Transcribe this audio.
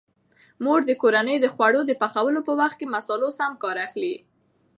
مور د کورنۍ د خوړو د پخولو په وخت د مصالحو سم کار اخلي.